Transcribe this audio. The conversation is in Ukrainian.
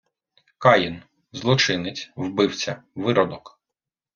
Каїн — злочинець, вбивця, виродок